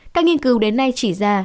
các nghiên cứu đến nay chỉ ra